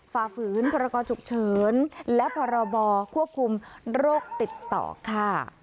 ฝ่าฝืนพรกรฉุกเฉินและพรบควบคุมโรคติดต่อค่ะ